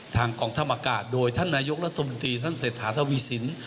กองทัพอากาศโดยท่านนายกรัฐมนตรีท่านเศรษฐาทวีสิน